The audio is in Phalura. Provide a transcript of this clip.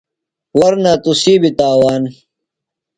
ورنہ تُسی بھی تاوان